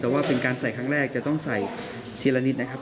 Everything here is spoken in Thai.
แต่ว่าเป็นการใส่ครั้งแรกจะต้องใส่ทีละนิดนะครับ